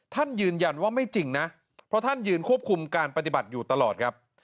ท่านยืนยันว่าไม่จริงนะเพราะท่านยืนควบคุมการปฏิบัติอยู่ตลอดครับ